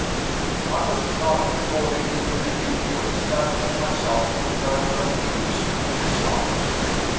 I was charged accordingly with the duty of establishing myself on terms of intimacy in this house.